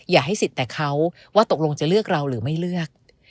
อย่าให้สิทธิ์แต่เขาว่าตกลงจะเลือกเราหรือไม่เลือก